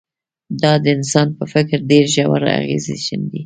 دا د انسان په فکر ډېر ژور اغېز ښندي